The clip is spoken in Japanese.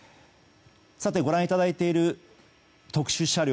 ご覧いただいている特殊車両